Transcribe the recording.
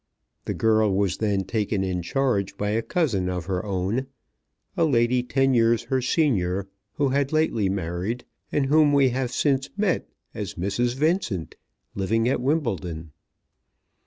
The girl was then taken in charge by a cousin of her own, a lady ten years her senior who had lately married, and whom we have since met as Mrs. Vincent, living at Wimbledon.